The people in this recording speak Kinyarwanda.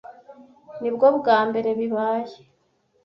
Nibwo bwambere bibaye.